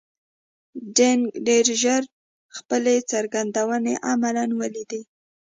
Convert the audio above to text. دینګ ډېر ژر خپلې څرګندونې عملاً ولیدې.